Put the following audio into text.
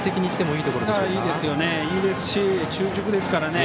いいですし中軸ですからね。